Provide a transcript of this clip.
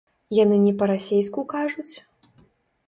Яны не па-расейску кажуць?